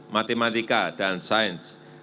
matematika dan sains